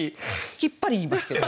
きっぱり言いますけど。